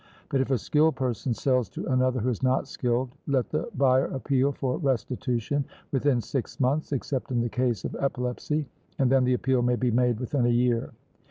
But if a skilled person sells to another who is not skilled, let the buyer appeal for restitution within six months, except in the case of epilepsy, and then the appeal may be made within a year.